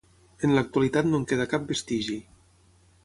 En l'actualitat no en queda cap vestigi.